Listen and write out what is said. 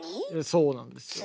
そうなんですよ。